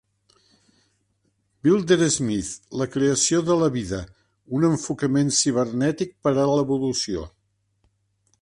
Wilder-Smith, "La creació de la vida: un enfocament cibernètic per a l'evolució".